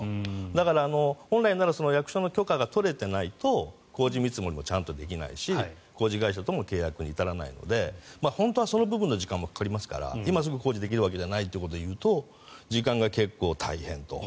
だから、本来なら役所の許可が取れていないと工事見積もちゃんとできないし工事会社とも契約に至らないので本当はその部分の時間も取りますから今すぐ工事できるわけじゃないというところでいうと時間が結構大変と。